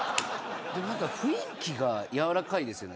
何か雰囲気が柔らかいですよね。